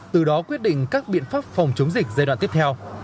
từ đó quyết định các biện pháp phòng chống dịch giai đoạn tiếp theo